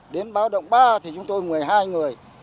đến báo động ba thì chúng tôi một mươi hai người